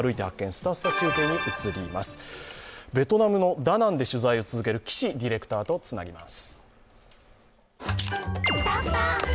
すたすた中継」、ベトナム・ダナンで取材をしている岸ディレクターとつなぎます。